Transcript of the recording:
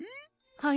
はい。